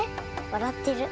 わらってる。